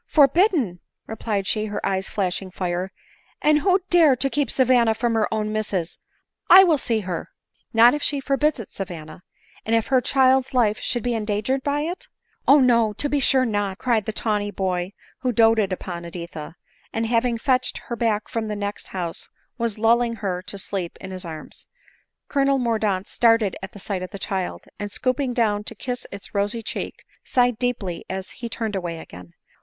"Forbidden!" replied she, her eyes flashing fire; " and who dare to keep Savanna from her own misses ?— I will see her." "Not if she forbids it, Savanna; and if her child's life should be endangered by it ?"" O, no, to be sure not," cried the tawny boy, who doted upon Editha, and, having fetched her back from the next house, was lulling her to sleep in his arms. Colonel Mordaunt started at sight of the child, and, stooping down to kiss its rosy cheek, sighed deeply as he turned away again.